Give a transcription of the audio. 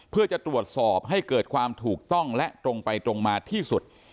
เพื่อจะตรวจสอบให้เกิดความถูกต้องและตรงไปตรงมาที่สุด